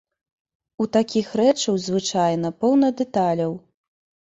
У такіх рэчаў, звычайна, поўна дэталяў.